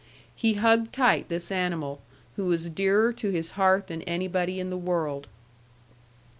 He hugged tight this animal, who was dearer to his heart than anybody in the world.